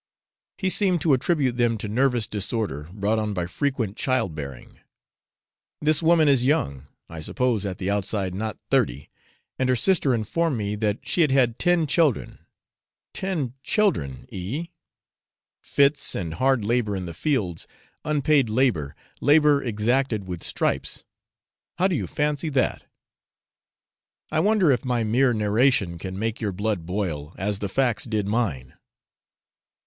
He seemed to attribute them to nervous disorder, brought on by frequent child bearing. This woman is young, I suppose at the outside not thirty, and her sister informed me that she had had ten children ten children, E ! Fits and hard labour in the fields, unpaid labour, labour exacted with stripes how do you fancy that? I wonder if my mere narration can make your blood boil, as the facts did mine?